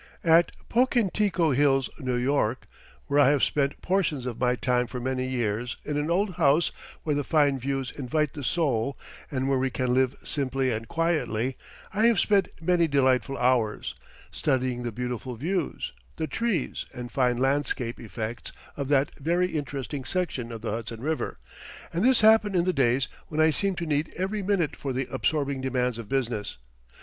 At Pocantico Hills, New York, where I have spent portions of my time for many years in an old house where the fine views invite the soul and where we can live simply and quietly, I have spent many delightful hours, studying the beautiful views, the trees, and fine landscape effects of that very interesting section of the Hudson River, and this happened in the days when I seemed to need every minute for the absorbing demands of business.